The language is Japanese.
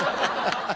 ハハハハ！